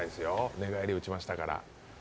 寝返り打ちましたから。